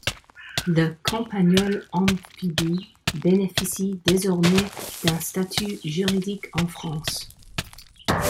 Le campagnol amphibie bénéficie désormais d'un statut juridique en France.